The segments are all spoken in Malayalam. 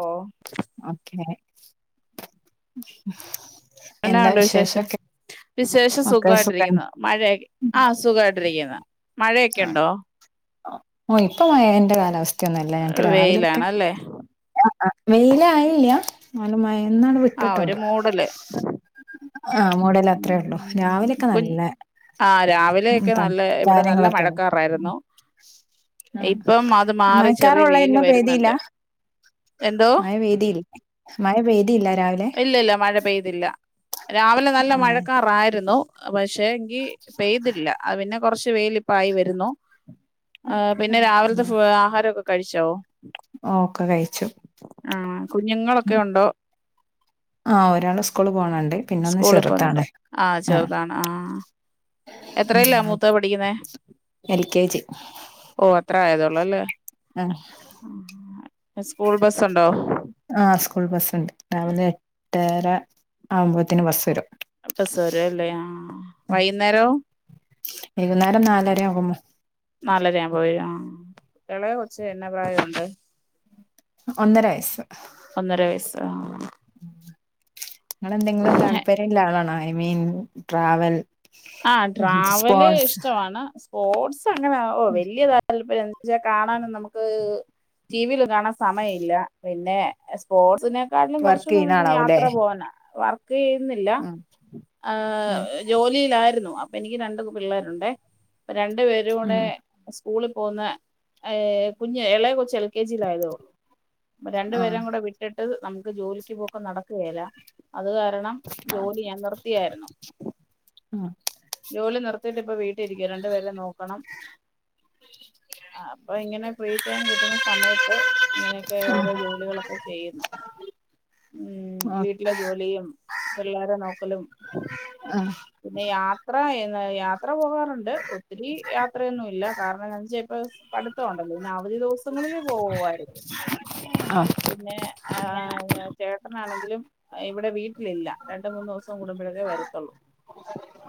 ഓ ഓക്കെ അ [unintelligible] എന്നുണ്ട് വിശേഷം. വിശേഷം ഒക്കെ സുഖാണ് സുഖായിട്ടിരിക്കുന്നു മഴയൊക്കെ ആഹ് സുഖാ യിട്ടിരിക്കുന്ന. മഴയൊക്കെയുണ്ടോ. ഓ ഇപ്പൊ മഴന്റെ കാലാവ ക്കുന്നില്ല ഞങ്ങൾക്ക് രാവിലെയൊക്കെ. വെയിലാണല്ലേ ന്നാലും മയ ഇന്നാണ് ആ ഒരു വിട്ടിട്ടുണ്ട്, മൂടല് ആ മൂടലത്രേള്ളൂ ഉം രാവിലൊക്കെ കു നല്ല ആ രാവിലെയൊക്കെ തൺ നല്ല ഇവിടെ നല്ല കാര്യങ്ങളൊക്കെ ഉം മഴക്കാറായിരുന്നു ആ ഇപ്പം അത് മാറി ചെറിയ മയക്കാറൊള്ളു വെയില് ഇന്നു വരുന്നുണ്ട് പെയ്തീല്ലാ എന്തോ മയ പെയ്‌തീല്ല മയ പെയ്തില്ലായ് ഇല്ല ഇല്ല മഴ പെയ്തില്ല രാവിലെ നല്ല ആ മഴക്കാറായിരുന്നു പ പക്ഷേങ്കി പെയ്തില്ല അത്‌ പിന്നെ കൊർച്ച് വെയിലിപ്പായി വരുന്നു ആ പിന്നെ രാവിലത്തെ ഉം. ഫൂ ആഹാരൊക് കഴിച്ചോ ഓക്കെ കഴിച്ചു ആ കുഞ്ഞുങ്ങളൊക്കെ ഒണ്ടോ ആ ഒരാള് സ്കൂളി പോണണ്ട് പിന്നൊന്ന് സ്കൂളിൽ പോകുന്നുണ്ട് ചെറുതാണ് ആ എത്രേയിലാ മൂത്തത് പഠിക്കുന്നേ എൽ കെ ജി ഓ അത്രേ ആയതൊ ള്ളൊല്ലേ ആ ഇസ്കൂൾ ബസ്സുണ്ടോ? ആ സ്കൂൾ ബസ്സുണ്ട് രാവിലെ എട്ടര ആവുമ്പോത്തേന് ബസ് വരും ബസ് വരവല്ലേ ആഹ്‌ വൈകുന്നേരവോ വൈകുന്നേരം നാലര ആകുമ്പോ നാലര ആകു മ്പോ വരും ആഹ്‌ എളയ കൊച്ച് എന്നാ പ്രായൊണ്ട് ഒന്നര വയസ് ഒന്നര വയസ്സ് ആഹ് നിങ്ങളെന്തെങ്കിലും താല്പര്യല്ല ആളണാ ഐ മീൻ ട്രാവൽ ആ ട്രാവല് സ്പോർട്സ് ഇഷ്ടവാണ് സ്പോട്സ് അങ്ങനെ ഓ വല്യ താല് പര്യം ന്നുച്ചാ കാണാനും നമുക്ക് ടിവില് കാണാൻ സമയവില്ല പിന്നെ സ്പോട്സിനെക്കാട്ടിലും വർക്ക് കൊറച്ചുടെ ചെയ്യുന്ന [unintelligible] ആളാവൂല്ലേ യാത്ര പോകാനാ വ ക്ക് ചെയ്യുന്നില്ല ഉം ആഹ്‌ ഉം ജോലിലാ ആരുന്നു അപ്പൊ എനിക്ക് രണ്ട് പിള്ളേരുണ്ടേ രണ്ടു പേരുടെ ഉം സ്കൂളി പോകുന്ന ഏഹ് കുഞ്ഞ് എളയെ കൊച്ച് എൽ കെ ജി ലയതേ ഒള്ളു. രണ്ടു ആഹ് പേരേം കൂടെ വിട്ടിട്ട് നമുക്ക് ജോലിക്ക് പോക്ക്‌ നടക്കുകല്ല അത് കാരണം ജോലി ഞാൻ നിർത്തിയായിരുന്നു ആഹ് ജോലി നിർ- ന്നിട്ട് പ്പ വി രിക്ക രണ്ടു പേരെ നോക്കണം അപ്പൊ ഇങ്ങനെ ഫ്രീ ടൈം കിട്ടുന്ന സമയത്ത് ഇങ്ങനെയൊക്കെ ഓരോ ആഹ് ജോലികളൊക്കെ ചെയ്യുന്നു ഉം ആഹ് വീട്ടിലെ ജോലിയും പിള്ളോരെ നോക്കലും ആഹ് പിന്നെ യാത്ര എ യാത്ര പോകാറുണ്ട് ഒത്തിരി യാത്രയൊന്നുമില്ല കാരണം ഞ ചിലപ്പോൾ പഠിത്തമുണ്ടല്ലോ ഇനി അവധി ദിവസങ്ങളിൽ പോകുമായിരുന്നു ആഹ് പിന്നെ ആ ചേ പാണെങ്കിലും ഇവിടെ വീട്ടിലില്ല രണ്ട മൂന്ന് ദിവസം കൂടുമ്പോഴേക്കെ വരത്തുള്ളൂ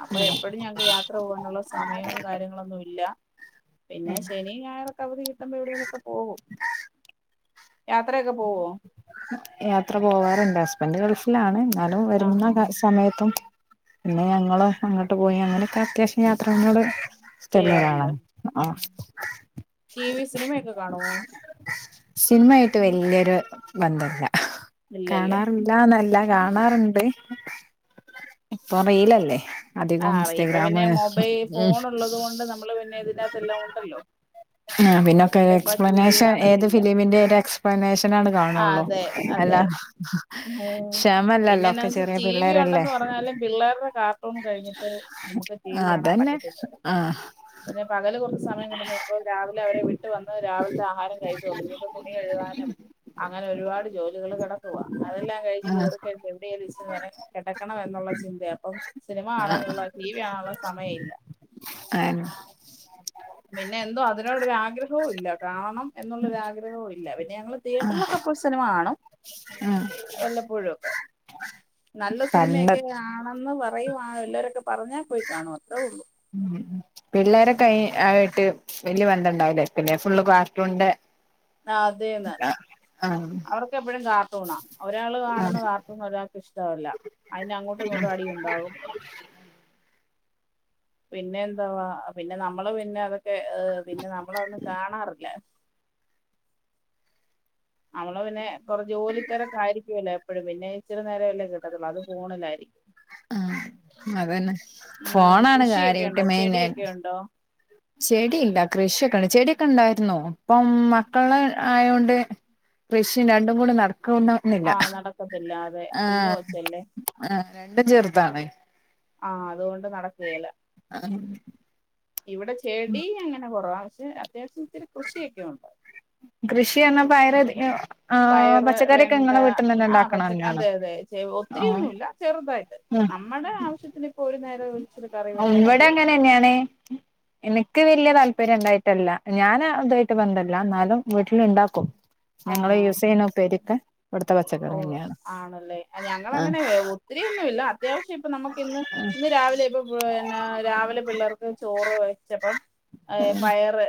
അപ്പൊ എപ്പഴും ഞങ്ങക്ക് യാ ത്ര പോകാനുള്ള സമയവും കാര്യങ്ങളൊന്നുമല്ല പിന്നെ ശനിയും ഞായറൊക്ക അവധി കിട്ടും ഇപ്പം വീടുകളിലൊക്കെ പോകും യാത്രയൊക്കെ പോവോ യാത്ര പോവാറുണ്ട് [unintelligible] എന്നാലും ആഹാ വരുന്ന സമയത്തും പിന്നെ ഞങ്ങള് അങ്ങോട്ട് പോയി അങ്ങനെ അത്യാവശ്യം യാത്രകളോട് ചെയ്യാറുണ്ട് ഇഷ്ടമൊള്ളരാളാണ് ആ ടി വി സിനിമയൊക്കെ കാണുമോ സിനിമ എട് വലിയൊരു ബന്ധമില്ല ഇല്ലല്ലേ കാണാറില്ലന്നല്ല കാണാറുണ്ട് ഇപ്പ അറിയിലല്ലേ അറിയുമ്പോ പിന്നെ മൊബൈ ഫോൺ ഉള്ളത് കൊണ്ട് നമ്മള് പിന്നെ ഇതിനകത്തു എല്ലാം ഉണ്ടല്ലോ ആ പിന്നൊക്കെ അതുകൊണ്ട് ഇപ്പോൾ ടീവി കാണൽ ഇല്ല നേഷനാണ് കാണുവൊള്ളൂ അല്ലാ ക്ഷമ പിന്നെ ഇല്ലല്ലോ എന്നാ ഒക്കെ വെച്ച ചെറിയ ടി വി പിള്ളേർ അല്ലെ ഉണ്ടെന്ന് പറഞ്ഞാലും പിള്ളേരുടെ കാർട്ടൂൺ കഴിഞ്ഞിട്ട് നമ്മക്ക് ടി വി കാണാൻ പറ്റത്തില്ല ആ പിന്നെ പകല് കുറച്ച് സമയം കിട്ടുമ്പോൾ രാവിലെ അവരെ വിട്ട് വന്നിട്ട് രാവിലത്ത ആഹാ ഹാരം കഴിച്ചു തുടങ്ങിയപ്പോൾ തുണി കഴുകാനും അ അങ്ങനെ ഒരുപാട് ജോലികൾ കിടക്കുവാ അതെല്ലാം കഴിഞ്ഞു കയറിക്കഴിയുമ്പോൾ എവിടേലും - അങ്ങനെ കിടക്കണം എന്നുള്ള ചിന്തയാ അപ്പൊ സിനിമ ആ കാണാൻ ഉള്ള ടി വി കാണാൻ ഉള്ള സമയമില്ല ആൻ പിന്നെ എന്തോ അതിനോട് ഒരു ആഗ്രഹവും ഇല്ല കാണണം എന്നുള്ള ആഗ്രഹവും ഇല്ല പിന്നെ നമ്മൾ തിയേറ്ററിൽ ഒക്കെ പോയി സിനിമ കാണും ഉം വല്ലപ്പോഴുമൊക്കെ നല്ല പണ്ട് സിനിമയൊക്കെ ആണെന്ന് പ റയുവാ വെല്ലോരൊക്ക പറ്ഞ്ഞാ പോയി കാണും അത്രോ ഉള്ളൂ ഉം ട്ട് വല്ല്യ ബന്ധം ഇണ്ടാവൂലേക്കുല്ലെ ഫുള്ള് കാർട്ടൂൺന്റെ അതേന്ന് അവർക്കെപ്പഴും കാർട്ടൂണാ ഒരാള് ആ കാണുന്ന കാർട്ടൂണ് ഒരാൾക്ക് ഇഷ്ടവല്ല അയ്ന് അങ്ങോട്ടും ഇങ്ങോട്ടും അടിയുണ്ടാവും പിന്നെന്തുവാ പിന്നെ നമ്മള് പിന്ന അത് പെ ഏഹ് പിന്നെ നമ്മള അഹൊന്നും കാണാറില്ല അമ്മള് പിന്നെ കൊറെ ജോലി തെരക്ക് ആയിരിക്കുവല്ലേ എ പ്പഴും പിന്നെ ഇച്ചിരി നേരം അല്ലെ കിട്ടത്തുള്ളു അതും ഫോണിലായിരിക്കും ആഹ് അതന്നെ ഉം ഫോണാണ് കൃഷിയൊക്കെ ഉണ്ടോ കാര്യായിട്ട് മെയിനെ ചെടിയൊക്കെ ഉണ്ടോ ചെടിയില്ല കൃഷിയൊക്കെണ്ട് ചെടിയൊക്കെ ഇണ്ടായിരുന്നോ ഇപ്പം മക്കള് ആയോണ്ട് കൃഷിം രണ്ടും കൂടെ നട ആഹ് നടക്കത്തില്ല അതെ ആഹ് കുഞ്ഞ്കൊച്ചല്ലേ ആഹ് രണ്ടും ചെറുതാണ് ആഹ് അത്കൊണ്ട് നടക്കേല ആഹ് ഇവിടെ ചെടി അങ്ങനെ കുറവാ പക്ഷെ അത്യാവശ്യം ഇത്തിരി കൃഷി ഒക്കെ ഉണ്ട്. കൃഷി എന്ന പയറ അതി ഒ പയറു, വെണ്ട ആഹ് പച്ച ഉണ്ടാക്കണന്നെയാണോ അതെ അതെ ഒത്തിരി ഒന്നുല്ല ആഹ് ചെറു നമ്മടെ ആവശ്യത്തിന് ഇപ്പോ ഒരു നേര ഇവിട അങ്ങനെന്നെയാണ് എന് നിക്ക് വല്ല്യ താല്പര്യം ഇണ്ടായിട്ടല്ല ഞാന് ഇതായിട്ട് ബന്ധല്ല എന്നാലും വീട്ടിൽ ഇണ്ടാക്കും ആ ഞങ്ങള് യൂസ് ചെയ്യണ ഉപ്പേരിയൊക്കെ കൊടുത്ത വ ഓ ആണല്ലേ ഞങ്ങൾ ആഹ് അങ്ങനെ വെ ഒത്തിരിയൊന്നും ഇല്ല അത്യാവശ്യം ഇപ്പൊ നമുക്ക് ഇന്ന് ഇന്ന് രാ രാവിലെ ഇപ്പൊ പിന്ന രാവിലെ പിള്ളേർക്ക് ചോറ് വെച്ചപ്പം ഏഹ് പയറ്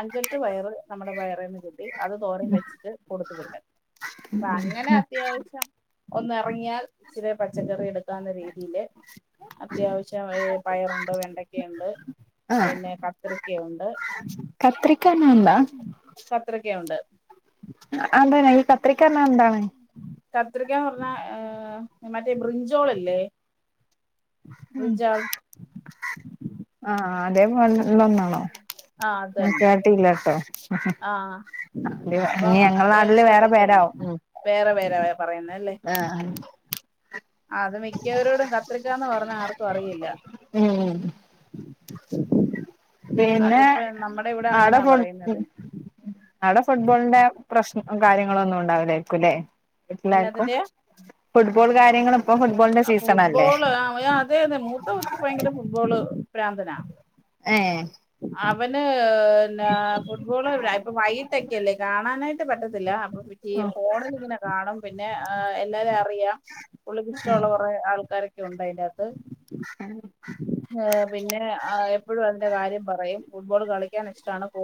അഞ്ചെട്ട് പയറ് നമ്മടെ പയറേന്ന് കിട്ടി അത് തോരൻ വെച്ചിട്ട് കൊടുത്തു വിട്ടത് അപ്പൊ അങ്ങനെ അ അത്യാവശ്യം ഒന്നെറങ്ങിയാൽ ഇച്ചിരി പച്ചക്കറി എടു ത്താന്ന രീതില് അത്യാവശ്യം പയറുണ്ട് വെണ്ടക്കയുണ്ട് ആഹ് പിന്നെ കത്രിക്കയുണ്ട് കത്രിക്ക പറഞ്ഞാ എന്താ കത്രിക്കയുണ്ട്. ആഹ് അന്തെണ് ഈ കത്രിക്ക എന്നാ എന്താണ്? കാത്രിക്കാന്ന് പറഞ്ഞാ ഏഹ് മറ്റേ ബ്രിഞ്ചോളില്ലേ ബ്രിഞ്ചാൾ ആഹ് അതേപോലെന് ഇള്ളന്നാണോ ആഹ് അത് ഞാൻ തന്നെ കേട്ടില്ലട്ടോ ആഹ് ഇനി അപ്പം ഞങ്ങള് നാട്ടില് അത്യാവശ്യം വേറെ പേരാവും ഉം പറയുന്നല്ലേ ആഹ് ആഹ് അത് മിക്കവരോടും കത്രിക്കാന്ന് പറഞ്ഞാ ആർക്കും അറിയില്ല ഉം പിന്നെ അതിപ്പോ നമ്മുടെ ഇവിടെ ആടെ അങ്ങനാ കൊടു ക്കും പറയുന്നതിന് ആടെ ഫുട്ബോളിന്റെ പ്രശ് കാര്യങ്ങളൊന്നും ഉണ്ടാവില്ലായിരിക്കും ല്ലേ വീട്ടിലാർക്കും ഫുട്ബോള് അ ഫുട്ബോള് ആഹ് അതെ അതെ മൂത്തകൊച്ച് ഭയങ്കര ഫുട്ബോള് പ്രാന്തനാ ഏഹ് അവന് പിന്നാ ഫുട്ബോള് ഇപ്പ വൈകിട്ടൊക്കെയല്ലേ കാണാനായി ട്ട് പറ്റത്തില്ല അപ്പം മറ്റേ ഫോണിലിങ്ങനെ കാണും പിന്നെ ആ എല്ലാരെ അ റിയാം ഇഷ്ട്ടോള്ള കൊറെ ആൾക്കാരൊക്കെ ഉണ്ട് അയിന്റെകത്ത് ഏ പിന്നെ ആ എപ്പഴും അതിന്റെ കാര്യം പറയും ഫുട്ബോള് കളിക്കാൻ ഇഷ്ട്ടാണ്. ഫു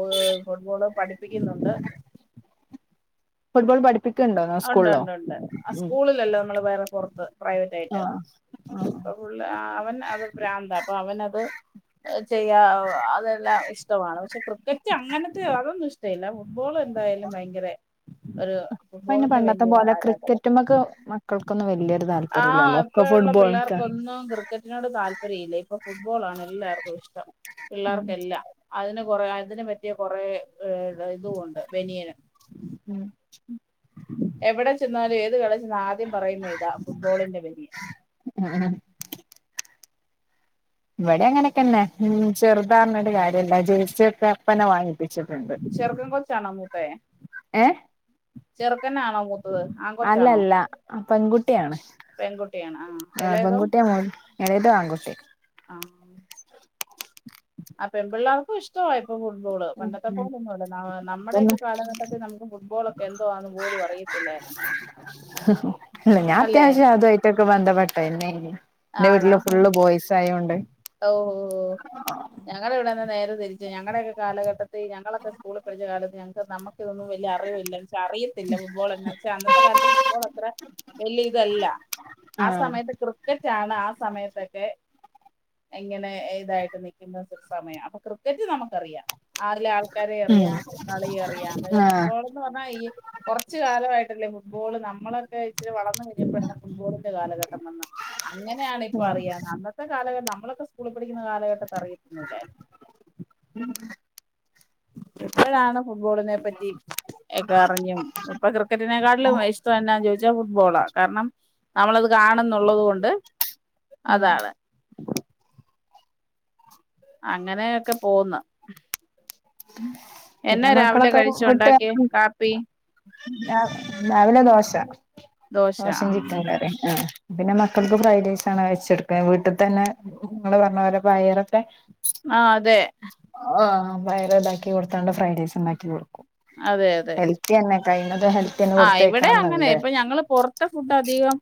ഫുട്ബോള് പഠിപ്പിക്കുന്നുണ്ട്. ഫുട്ബോൾ പഠി ഉണ്ട് ഉണ്ട് ഉണ്ട് ആ സ്കൂളിലല്ല നമ്മള് വേറെ പൊറത്ത് പ്രൈവറ്റ് ആയിട്ട് ആഹ് ആഹ് ഇപ്പ ഫുള്ള് അവൻ അത് ഭ്രാന്ത അപ്പൊ അവനത് ചെയ്യാ അതെല്ലാം ഇഷ്ടമാണ് പക്ഷെ ക്രിക്കറ്റ് അങ്ങനത്തെ അതൊന്നും ഇഷ് [unintelligible] ഫുട്ബോൾ എന്തായാലും ഭയങ്കര ഒരു ഇപൈന് ഫുട്ബോളിന്റെ പണ്ടത്തെ പോലെ ക്രിക്കറ്റ്മ്മക്ക് മക്കൾ ആഹ് ഇപ്പഴ്ള്ള ഫുട്ബോൾക്കാ പിള്ളേർക്കൊന്നും ക്രിക്കറ്റിനോട് താല്പര്യം ഇല്ല ഇപ്പൊ ഫുട്ബോൾ ആണ് എല്ലാർക്കും ഇഷ്ടം ഉം പിള്ളേർക്കെല്ലാം അതിന് കൊറേ അതിന് പറ്റിയ കൊറേ ഏ അതായത് ബനിയന് ഉം എവടെ ചെന്നാലും ഏത് കടേ ചെന്നാ ആദ്യം പറയുന്ന ഇതാ ഫുട്ബോളിന്റെ ബനിയൻ ആ ഇവടേം അങ്ങനെക്കെന്നെ മ് ചെറ്താ പറ്ഞ്ഞിട്ട് കാര്യല്ല ജെയ്സി ഒക്കെ അപ്പന്നെ വാങ്ങി ചെർക്കൻ കൊച്ചാണോ മൂത്തെ ഏഹ് ചെർക്കനാണോ മൂ അല്ലല്ല പെങ്കുട്ട്യാണ് പെൺകുട്ടിയാണ് ആ ഇളയതോ പെങ്കുട്ട്യാ മൂ എളേത് ആണ് കുട്ടി ആ ആ പെമ്പിള്ളേർക്കും ഇഷ്ട്ടവാ ഇപ്പൊ ഫുട്ബോള് ഉം പണ്ടത്തെ പോലൊ ഒന്നുഅല്ല പിന്നെ നമ്മടെക്കെ കാലഘട്ടത്തിൽ നമുക്ക് ഫുട്ബോൾ ഒക്കെ എന്തോന്ന് പോലും അറിയത്തില്ലായിരുന്നു അല്ലെ തന്നേ ആണോ ഓ ഓ ഞങ്ങളെ ഞങ്ങടെ ഇവടെന്നാ നേരെ തിരിച്ച ഞ ഞങ്ങളെയൊക്കെ കാലഘട്ട ത്ത് ഞങ്ങളൊക്കെ സ്കൂളിൽ പഠിച്ച കാലത്ത് ഞങ്ങക്ക് നമ്മക്കതൊന്നും വല്ല്യ അറിവില്ല അറിയത്തില്ല ഫുട്ബോൾ എ വെച്ചാ അന്നത്തെ കാലത്ത് ഫുട്ബോൾ അത്ര വല്ല്യ ഇതല്ല ആ സമയത്ത് കൃ ക്രിക്കറ്റാണ് ആ സമയത്തൊക്കെ എങ്ങനെ ഇതായിട്ട് നിക്ക്ന്ന സമയം അപ്പൊ ക്രിക്കറ്റ് നമുക്കറിയാം ആറിലെ ആൾക്കാരെ ഉം അറിയാം കളിയ അറിയാം പെ ആഹ് ഫുട്ബോൾ എന്ന് പറഞ്ഞാൽ ഈ കുറച്ച കാലമായിട്ടല്ലേ ഫുട്ബോള് നമ്മളൊക്കെ ഇച്ചിരി വളർ വരുമ്പളാ ഫുട്ട്ബോളിന്റെ കാലഘട്ട തന്ന അങ്ങനെയാണിപ്പ അറിയാ അന്നത്തെ കാലഘട്ട നമ്മ നമ്മളൊക്ക സ്കൂളിൽ പഠിക്ക്ന്ന കാലഘട്ടത്ത്. അറിയതോന്നുല്ലായിര്ന്നു എപ്പോഴാണ് ഫുട്ബോളിനെ പറ്റി ഒക്കെ അറിഞ്ഞും ഇപ്പൊ ക്രിക്കറ്റിനെക്കാട്ടും ഇഷ്ടം എന്നാന്ന് ചോദിച്ചാ ഫുട്ബോളാ കാരണം നമ്മളത് കാ ണുന്നുള്ളത് കൊണ്ട് ഉം അതാണ് അങ്ങനെയൊക്കെ പോന്ന് പിന്നെ എന്നാ രാവിലെ മക്കളൊക്കെ വിട്ട് കഴിച്ചുണ്ടാക്കിയേ കാപ്പി രാവിലെ ദോശ ദോശ ആ ദോശയും ചിക്കൻ കറി പിന്നെ മക്കൾക്ക് ഫ്രൈഡ് റൈസാണ് വെച്ചെട്ക്ക വീട്ടിത്തെ തന്നെ നിങ്ങൾ പറഞ്ഞ പോലെ പയറൊക്കെ ആ അതെ പയർ ഇതാക്കി കൊടുത്താണ്ട് ഫ്രൈഡ് റൈസ് ണ്ടാക്കി കൊടുക്കും അതെ അതെ [unintelligible] തന്നെ ആ് ഇവിടെ കൊടുത്തയക്കണം അങ്ങനെ എന്നുണ്ട് ഇപ്പൊ ഞങ്ങള് പുറത്തെ ഫുഡ് അധികം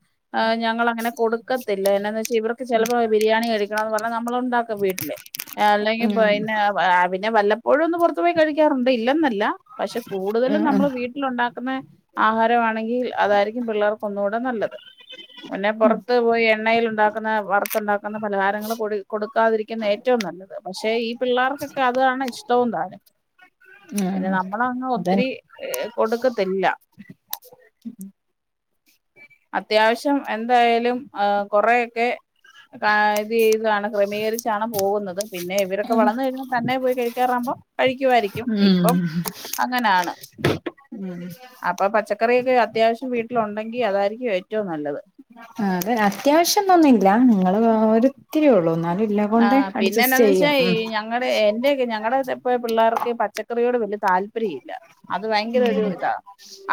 ഞങ്ങളങ്ങനെ കൊടുക്കത്തില്ല എന്നാന്ന് വെച്ചാ ഇവർക്ക് ചിലപ്പോ ബിരിയാണി കഴി ന്നുപറഞ്ഞ ണ്ടാക്കും വീട്ടില് അല്ലെങ്കിൽ ഉം പിന്നെ ആ പിന്നെ വല്ല പ്പോഴും ഒന്നും പുറത്തു പോയി കഴിക്കാറുണ്ട് ഇല്ലെന്നല്ല പക്ഷെ കൂടുതലും ഉം ഉം നമ്മള് വീട്ടിലുണ്ടാക്കുന്ന ആഹാരമാണെങ്കിൽ അതായിരിക്കും പിള്ളേർക്ക് ഒന്നുകൂടെ നല്ലത്. പിന്നെ പുറത്ത് പോയി എണ്ണയി ണ്ടാക്കുന്ന വറത്തുണ്ടാക്കുന്ന പലഹാരങ്ങൾ കൊട് കൊടുക്കാതിരിക്കുന്ന ഏറ്റവും നല്ലത് പക്ഷെ ഈ പിള്ളേർക്കൊക്കെ അതാണ് ഇഷ്ടവും താനും പിന്നെ ഉം ന മ്മളങ് ഒത്തിരി അതന്നെ കൊടുക്കത്തില്ല അത്യാവശ്യം എന്തായാലും ഏഹ് കൊറെക്കെ ഏഹ് ഇത് ഇതാണ് ക്രമീകരിച്ചാണ് പോകുന്ന പിന്നെ ഇവരൊക്കെ വളർന്ന കഴിഞ്ഞൽ തന്നെ പോയി കഴിക്കാറാവുമ്പോം കഴിക്കുമായിരിക്കും ഇപ്പം ഉം അങ്ങനെയാണ് ഉം അപ്പൊ പച്ചക്കറിയൊക്കെ അത്യാവശ്യം വീട്ടിലുണ്ടെങ്കി അതായിരിക്കും ഏറ്റവും നല്ലത് ആ അത് അത്യാവശ്യംന്നൊന്നില്ല നിങ്ങള് ഒരിത്തിരി ഉള്ളൂ ഇല്ല കൊണ്ട് ആഹ് അഡ്ജസ്റ്റ് പിന്നെന്താന്ന് വെച്ചാ ചെയ്യും ഈ ഉം ഞങ്ങളടെ എന്റെയൊക്കെ ഞങ്ങടെ പിള്ളേർക്ക് പച്ചക്കറിയോട് വലിയ താല്പര്യം ഇല്ല അത് ഭയങ്കര ഒരു ഇതാ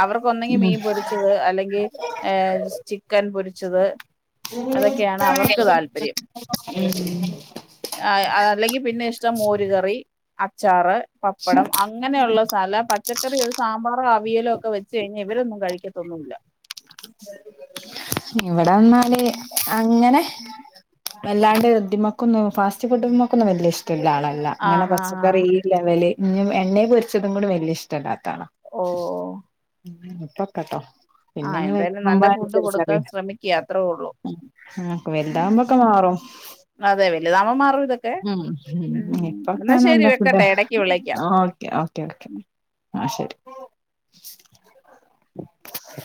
അവർക്കൊന്നെങ്കി ഉം മീൻ പൊരിച്ചത് അല്ലെങ്കിൽ ഏർ ചിക്കൻ പൊരിച്ചത് അതൊക്കെയാണ് അവർക്ക് താല്പര്യം ഉം [unintelligible] അല്ലെങ്കിൽ പിന്നെ ഇഷ്ടം മോരു കറി, അച്ചാറ് പപ്പടം അങ്ങനെയുള്ള സല പച്ചക്കറി ഒരു സാമ്പാറോ അവിയലോ ഒക്കെ വെച്ച് കഴിഞ്ഞ ഇവരൊന്നും കഴിക്കത്തൊന്നുമില്ല. ഇവിടെന്നാല് അങ്ങനെ അല്ലാണ്ട് തിമക്കൊന്നു ഫാസ്റ്റ് ഫുഡ് മക്കൊന്നും വല്യ ഇഷ് ട്ടിള്ള ആളല്ല ഇങ്ങനെ ആഹാ പച്ചക്കറി ഈ ലെവല് പിന്നെയും എണ്ണേ പൊരിച്ചതും കൂടി വലിയ ഇഷ്ടല്ലാ ത്താളാ ഓ [unintelligible] പ്പക്കട്ടോ പിന്നങ്ങു യാലും നല്ല ഫുഡ് കൊടുക്കാൻ ശ്രമിക്ക്യ അത്രേ ഉള്ളൂ. ആഹ് വലുതാവുമ്പോക്കെ മാറും അതേ വലുതാമ്പം മാറും ഇതൊ ഉം ഇപ്പൊക്കെ നല്ല ഫുഡാ വെക്കട്ടെ ഇടക്ക് വിളിക്കാം ഓക്കെ ഓക്കെ ഓക്കെ ആ ശരി